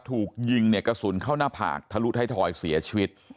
ถูกยิงเนี่ยกระสุนเข้าหน้าผากทะลุท้ายทอยเสียชีวิต